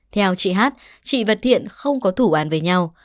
theo chị hát chị và thiện không có thủ án với nhau